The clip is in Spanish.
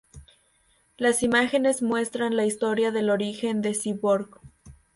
Las imágenes muestran la historia del origen de Cyborg.